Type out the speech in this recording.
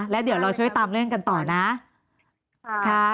แล้วเดี๋ยวเราช่วยตามเรื่องกันต่อนะ